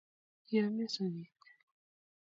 Kiyomyo sogek